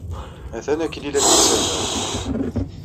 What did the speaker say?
Atan akken ay la d-yettader.